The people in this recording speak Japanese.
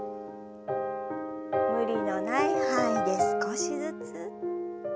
無理のない範囲で少しずつ。